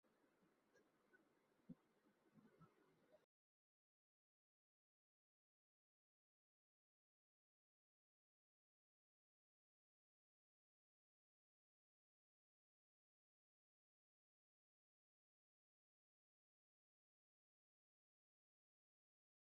আর এখনও শত শতাব্দী যাবৎ জগৎকে শিখাইবার বিষয় তোমাদের যথেষ্ট আছে।